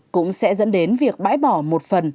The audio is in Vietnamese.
cũng sẽ dẫn đến việc bãi bỏ một phần